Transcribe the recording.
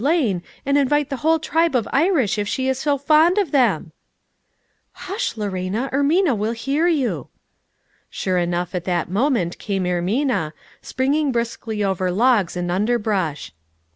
Lane and invite the whole tribe of Irish if she is so fond of them ?"" Hush, Lora, Ermina will hear you." Sure enough at that moment came Ermina, springing briskly over logs and underbrush.